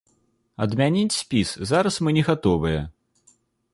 Адмяніць спіс зараз мы не гатовыя.